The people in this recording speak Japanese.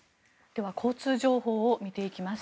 では交通情報を見ていきます。